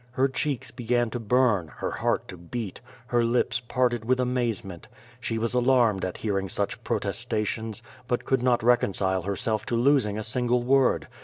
Her cheeks began to burn, her heart to beat, her lips parted with amazement. She was alarmed at licaring such protestations, but could not reconcile herself to losing a single word.